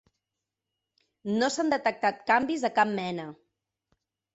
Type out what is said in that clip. No s'han detectat canvis de cap mena.